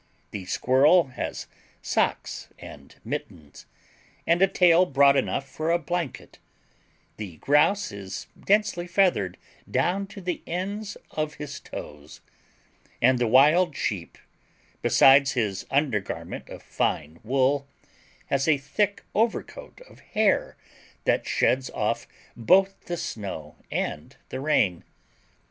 The squirrel has socks and mittens, and a tail broad enough for a blanket; the grouse is densely feathered down to the ends of his toes; and the wild sheep, besides his undergarment of fine wool, has a thick overcoat of hair that sheds off both the snow and the rain.